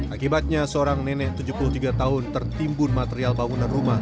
akibatnya seorang nenek tujuh puluh tiga tahun tertimbun material bangunan rumah